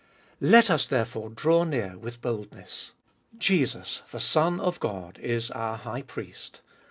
Let us, therefore, draw near with boldness ! Jesus the Son God is our High Priest.